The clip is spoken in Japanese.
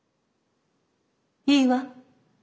いいわ。